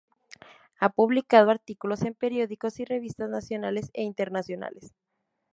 Ha publicado artículos en periódicos y revistas, nacionales e internacionales.